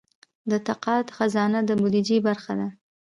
د تقاعد خزانه د بودیجې برخه ده